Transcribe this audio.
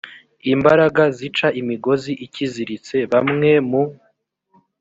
imbaraga zica imigozi ikiziritse bamwe mu